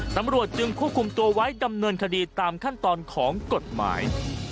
ตำรวจจึงควบคุมตัวไว้ดำเนินคดีตามขั้นตอนของกฎหมาย